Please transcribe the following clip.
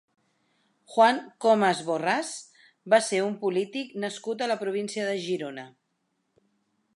Juan Comas Borrás va ser un polític nascut a la província de Girona.